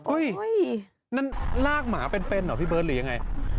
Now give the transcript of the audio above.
นั่นลากหมาเป็นเหรอพี่เบิร์ตหรือยังไง